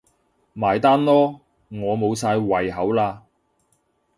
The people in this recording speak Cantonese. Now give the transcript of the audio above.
埋單囉，我無晒胃口喇